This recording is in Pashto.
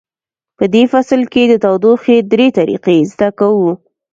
په دې فصل کې د تودوخې درې طریقې زده کوو.